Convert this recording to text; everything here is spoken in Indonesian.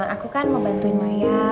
aku kan mau bantuin maya